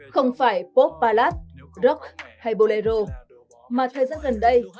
không phải pop palas rock hay bolero mà thời gian gần đây